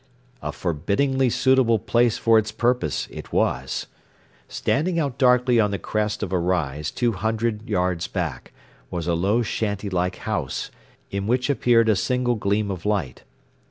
A forbiddingly suitable place for its purpose it was. Standing out darkly on the crest of a rise two hundred yards back, was a low shanty like house, in which appeared a single gleam of light.